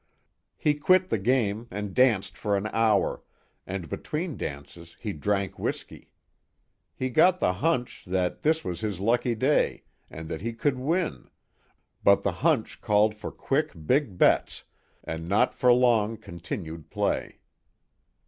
He quit the game and danced for an hour, and between dances he drank whiskey. He got the hunch that this was his lucky day and that he could win, but the hunch called for quick big bets, and not for long continued play.